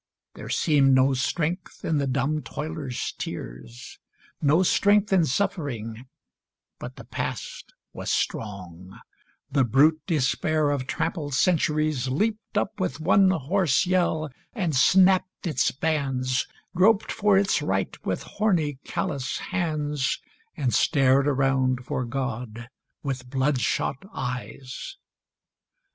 There seemed no strength in the dumb toiler's tears, No strength in suffering; but the Past was strong: The brute despair of trampled centuries Leaped up with one hoarse yell and snapped its bands, Groped for its right with horny, callous hands, And stared around for God with bloodshot eyes.